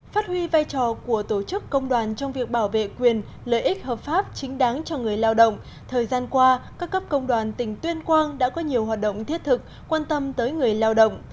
phát huy vai trò của tổ chức công đoàn trong việc bảo vệ quyền lợi ích hợp pháp chính đáng cho người lao động thời gian qua các cấp công đoàn tỉnh tuyên quang đã có nhiều hoạt động thiết thực quan tâm tới người lao động